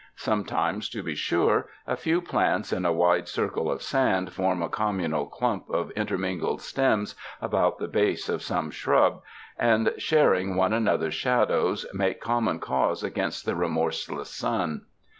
Sometimes, to be sure, a few plants in a wide circle of sand form a communal clump of inter mingled stems about the base of some shrub, and sharing one another's shadows, make common cause against the remorseless sun.